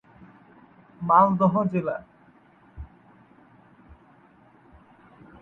মালদহ জেলা